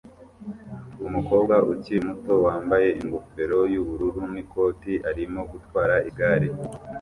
Umukobwa ukiri muto wambaye ingofero yubururu n'ikoti arimo gutwara igare